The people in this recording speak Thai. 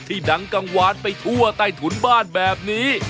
ดังกังวานไปทั่วใต้ถุนบ้านแบบนี้